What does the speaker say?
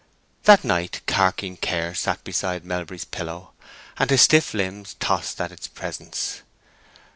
That night carking care sat beside Melbury's pillow, and his stiff limbs tossed at its presence.